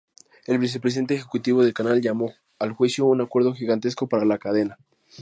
El vicepresidente ejecutivo del canal llamó al juicio "un acuerdo gigantesco" para la cadena.